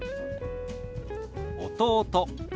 「弟」。